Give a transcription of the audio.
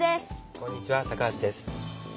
こんにちは橋です。